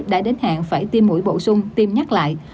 đã đến hẹn phải tiêm mũi bổ sung tiêm nhắc lại